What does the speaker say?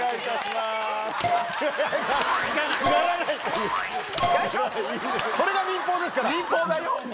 ピンポンこれが民放ですから。